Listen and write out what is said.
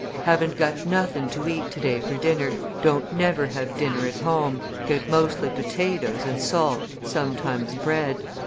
"Haven't got nothin' to eat to day for dinner, don't never have dinner at home, get mostly potatoes and salt, sometimes bread."